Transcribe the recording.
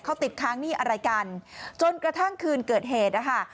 เขาติดค้างหนี้อะไรกันจนกระทั่งคืนเกิดเหตุนะคะ